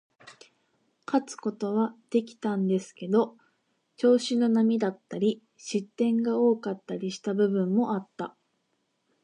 勝つことはできたんですけど、調子の波だったり、失点が多かったりした部分もあった。